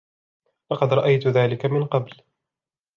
لقد رأيت ذلك من قبل.